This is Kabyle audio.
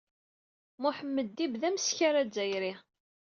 Mohamed Dib d ameskar adzayri.